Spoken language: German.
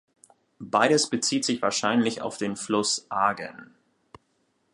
Beides bezieht sich wahrscheinlich auf den Fluss Argen.